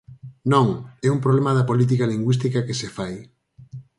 Non, é un problema da política lingüística que se fai.